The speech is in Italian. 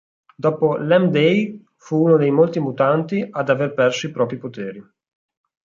Dopo l'M-Day fu uno dei molti mutanti ad aver perso i propri poteri.